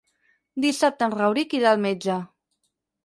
Dissabte en Rauric irà al metge.